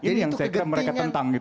ini yang mereka tentang